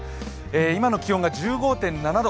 今の気温が１５．７度。